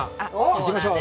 いきましょう。